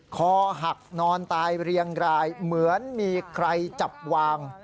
คอหักนอนตายเรียงรายเหมือนมีใครจับวาง